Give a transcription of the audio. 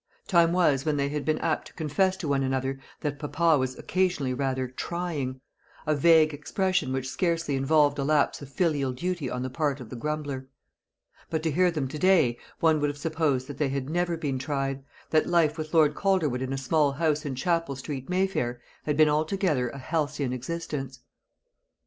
Time was when they had been apt to confess to one another that papa was occasionally rather "trying," a vague expression which scarcely involved a lapse of filial duty on the part of the grumbler. But to hear them to day one would have supposed that they had never been tried; that life with Lord Calderwood in a small house in Chapel street, Mayfair, had been altogether a halcyon existence.